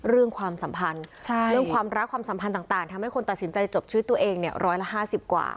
ความสัมพันธ์เรื่องความรักความสัมพันธ์ต่างทำให้คนตัดสินใจจบชีวิตตัวเองเนี่ยร้อยละ๕๐กว่า